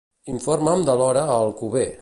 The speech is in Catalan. Informa'm de l'hora a Alcover.